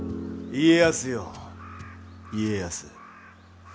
家康よ家康。